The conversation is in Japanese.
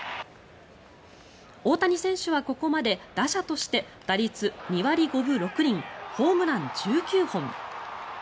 大谷選手はここまで打者として打率２割５分６厘ホームラン１９本。